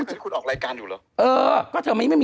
แต่คุณจ่าย๒๕๐๐